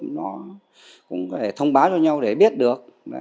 nó cũng phải thông báo cho nhau để biết được